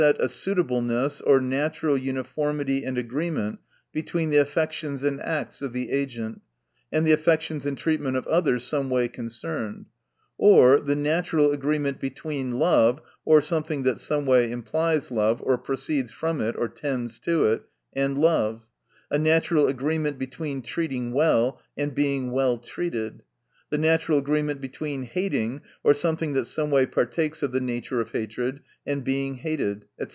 a suitableness, or natural uniformity and agreement between the affections and acts of the agent, and the affections and treatment of others some way concerned ; or the natural agreement between love (or something that some way implies love, or proceeds from it, or tends to it) and love ; a natural agreement between treating; well, and being well treated ; the natural agree ment between hating (or something that some way partakes of the nature of hatred) and being hated, &c.